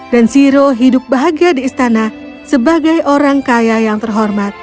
dan siro hidup bahagia di istana sebagai orang kaya yang terhormat